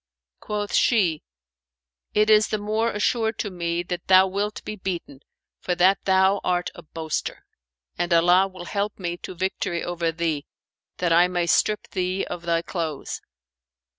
Quoth she, "It is the more assured to me that thou wilt be beaten, for that thou art a boaster; and Allah will help me to victory over thee, that I may strip thee of thy clothes.